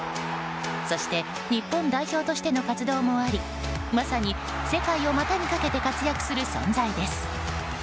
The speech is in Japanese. そして日本代表としての活動もありまさに、世界を股にかけて活躍する存在です。